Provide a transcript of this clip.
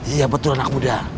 iya betul anak muda